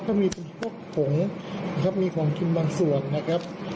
ก็มีพวกผงมีของจินบังส่วนนะครับ